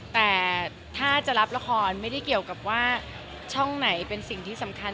แต่ถ้าจะรับละครไม่ได้เกี่ยวกับว่าช่องไหนเป็นสิ่งที่สำคัญ